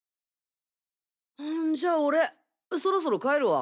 ほんじゃ俺そろそろ帰るわ。